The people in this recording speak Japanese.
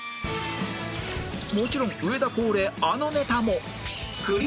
もちろん上田恒例あのネタも！